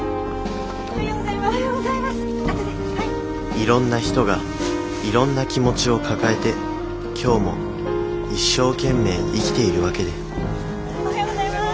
いろんな人がいろんな気持ちを抱えて今日も一生懸命生きているわけでおはようございます。